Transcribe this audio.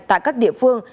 tại các địa phương